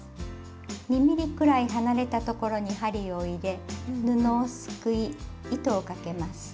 ２ｍｍくらい離れた所に針を入れ布をすくい糸をかけます。